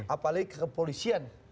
apalagi ke kepolisian